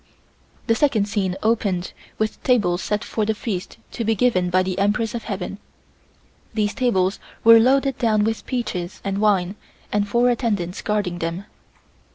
The second scene opened with tables set for the feast to be given by the Empress of Heaven. These tables were loaded down with peaches and wine and four attendants guarding them.